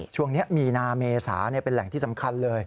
ช่วงนี้มีนาเมษาเป็นแหล่งที่สำคัญเลย